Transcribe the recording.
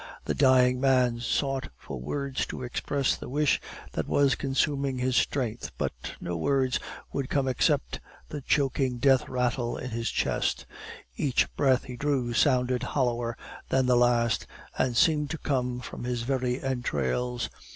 The dying man sought for words to express the wish that was consuming his strength; but no sounds would come except the choking death rattle in his chest. Each breath he drew sounded hollower than the last, and seemed to come from his very entrails.